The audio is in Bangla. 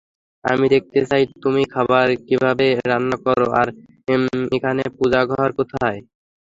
আমি দেখতে চাই তুমি খাবার কিভাবে রান্না করো আর এখানে পুজা ঘর কোথায়?